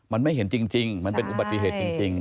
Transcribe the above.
มันไม่เห็นจริงมันเป็นอุบัติเหตุจริง